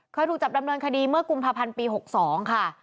เคยถูกจับดำเนินคดีเมื่อกุมภาพันธ์ปี๖๒ค่ะ